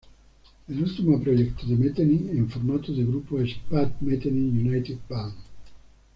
El último proyecto de Metheny en formato de grupo es "Pat Metheny Unity Band".